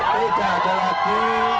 tidak ada lagi